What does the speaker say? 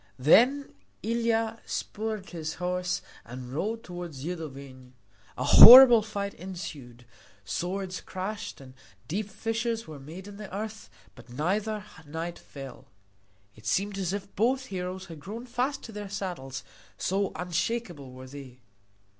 Then Ilia spurred his horse and rode toward Zidovin. A horrible fight ensued. Swords clashed and deep fissures were made in the earth, but neither knight fell. It seemed as if both heroes had grown fast to their saddles, so unshakeable were they.